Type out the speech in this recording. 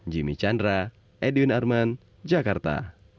jimmy chandra edwin arman jakarta